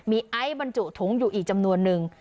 มีไอซ์บรรจุถุงอยู่อีกจำนวนนึง